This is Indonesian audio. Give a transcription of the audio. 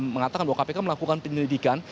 mengatakan bahwa kpk melakukan penyelidikan